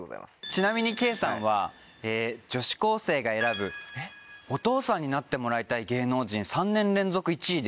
ちなみに圭さんは女子高生が選ぶお父さんになってもらいたい芸能人３年連続１位ですって。